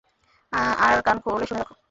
আর কান খুলে শুনে রাখ।